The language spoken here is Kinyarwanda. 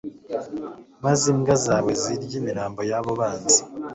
maze imbwa zawe zirye imirambo y’abo banzi»